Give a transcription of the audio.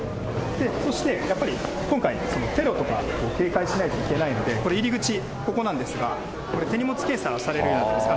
そしてやっぱり、今回テロとかを警戒しなきゃいけないので、入り口、ここなんですが、これ、手荷物検査されるようになってるんです。